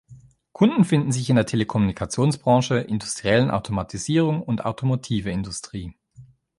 Kunden finden sich in der Telekommunikationsbranche, industriellen Automatisierung und Automotive-Industrie.